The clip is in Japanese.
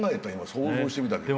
想像してみたけど。